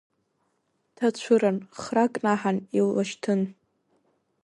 Ҭацәыран, хра кнаҳан илашьҭын.